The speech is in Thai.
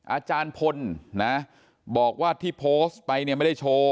อาจารย์พลนะบอกว่าที่โพสต์ไปเนี่ยไม่ได้โชว์